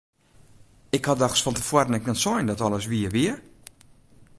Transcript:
Ik ha dochs fan te foaren ek net sein dat alles wier wie!